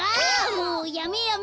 もうやめやめ！